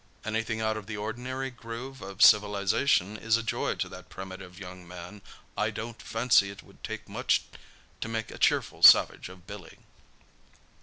"Anything out of the ordinary groove of civilisation is a joy to that primitive young man. I don't fancy it would take much to make a cheerful savage of Billy."